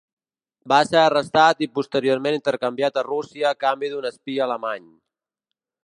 Va ser arrestat i posteriorment intercanviat a Rússia a canvi d'un espia alemany.